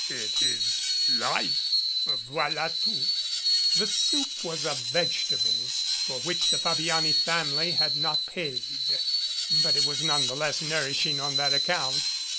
"It is life voila tout." The soup was of vegetables, for which the Fabiani family had not paid, but it was none the less nourishing on that account.